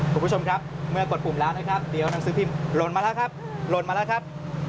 คุณผู้ชมครับเมื่อกดปุ่มแล้วนะครับเดี๋ยวนางซื้อพิมพ์ลนมาแล้วครับ